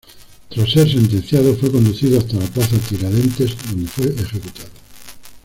Tras ser sentenciado, fue conducido hasta la plaza Tiradentes, donde fue ejecutado.